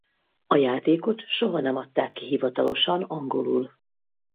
A játékot soha nem adták ki hivatalosan angolul.